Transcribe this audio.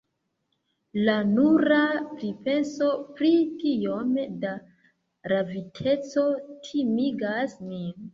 La nura pripenso pri tiom da raviteco timigas min.